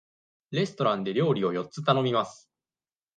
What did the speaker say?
レストランで料理を四つ頼みます。